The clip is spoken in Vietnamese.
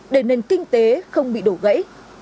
để nền kinh tế không bị đổ gãy